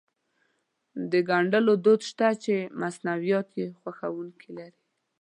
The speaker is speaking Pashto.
د ګنډلو دود شته چې مصنوعات يې خوښوونکي لري.